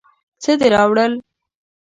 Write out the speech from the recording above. څه دې راوړل؟